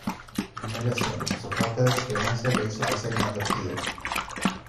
Una lesión y su falta de experiencia le hizo pasar inadvertido.